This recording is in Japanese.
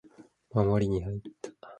守りに入った